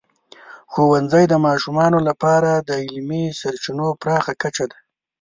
ښوونځی د ماشومانو لپاره د علمي سرچینو پراخه کچه ده.